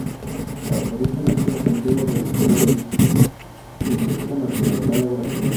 Pastoriza nació en Santiago del Estero, y está naturalizada brasileña.